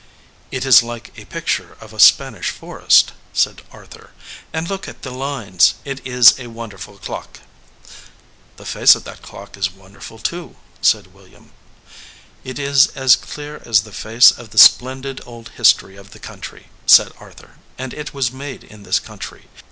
"It is like a picture of a Spanish forest," said Arthur. "And look at the lines! It is a wonder ful clock." 52 THE VOICE OF THE CLOCK "The face of that clock is wonderful, too," said William. "It is as clear as the face of the splendid old his tory of the country," said Arthur, "and it was made in this country.